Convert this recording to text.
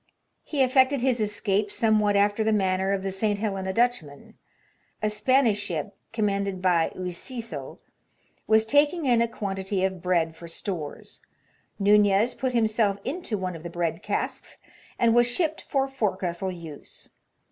He effected his escape somewhat after the manner of the St. Helena Dutchman. A Spanish ship, commanded by Euciso, was taking in a quantity of bread for stores ; Nunez put himself into one of the bread casks and was shipped for forecastle use.